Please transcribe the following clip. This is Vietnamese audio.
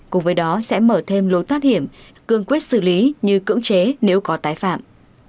cùng với đó sẽ mở thêm lối thoát hiểm cương quyết xử lý như cưỡng chế nếu có tái phạm